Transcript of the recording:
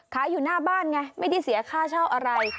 อยู่หน้าบ้านไงไม่ได้เสียค่าเช่าอะไร